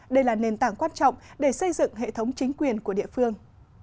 đây là nền tảng quan trọng để xây dựng hệ thống chính quyền của địa phương